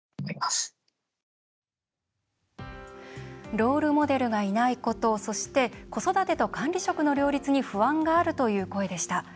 ロールモデルがいないことそして、子育てと管理職の両立に不安があるという声でした。